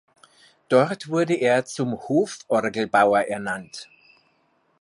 Dort wurde er zum Hoforgelbauer ernannt.